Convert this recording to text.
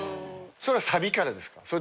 それはサビからですか？